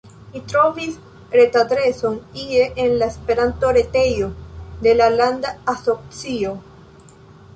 Mi trovis retadreson ie en la Esperanto-retejo de la landa asocio.